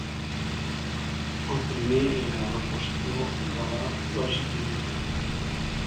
El primer era la qüestió de la legitimitat.